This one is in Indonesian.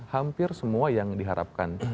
hampir semua yang diharapkan